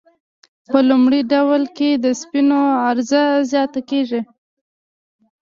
په لومړي ډول کې د پیسو عرضه زیاته کیږي.